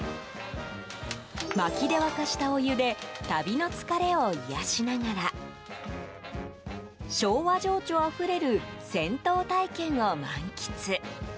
まきで沸かしたお湯で旅の疲れを癒やしながら昭和情緒あふれる銭湯体験を満喫。